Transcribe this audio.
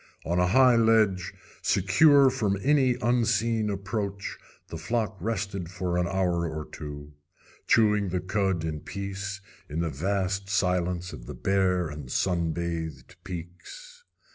On a high ledge, secure from any unseen approach, the flock rested for an hour or two, chewing the cud in peace in the vast silence of the bare and sun bathed peaks.